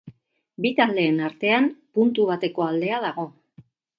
Bi taldeen artean puntu bateko aldea dago.